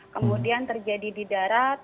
kemudian terjadi di darat